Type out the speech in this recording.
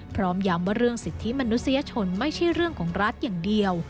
พร้อมย้ำว่าเรื่องสิทธิมนุษยชนไม่ใช่เรื่องของรัฐอย่างเดียว